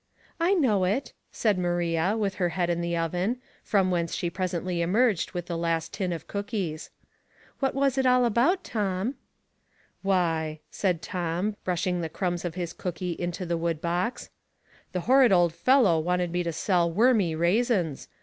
"I know it," said Maria, with her head in the oven, from whence she presently emerged with the last tin of cookies. " What was it all about, Tom ?"" Why,*' said Tom, brushing the crumbs of his cookie into the wood box, '* the horrid old fellow wanted me to sell wormy raisins.